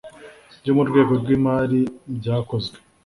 Byo mu rwego rw imari byakozwe